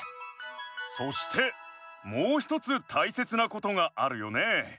そしてもうひとつたいせつなことがあるよね。